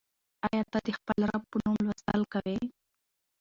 آیا ته د خپل رب په نوم لوستل کوې؟